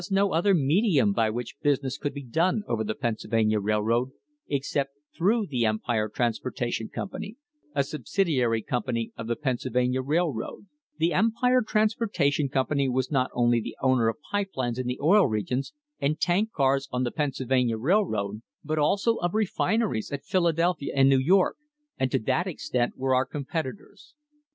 THE HISTORY OF THE STANDARD OIL COMPANY medium by which business could be done over the Pennsylvania Railroad, except through the Empire Transportation Company, a subsidiary company of the Pennsyl vania Railroad Company. The Empire Transportation Company was not only the owner of pipe lines in the Oil Regions, and tank cars on the Pennsylvania Railroad, but also of refineries at Philadelphia and New York, and to that extent were our competitors.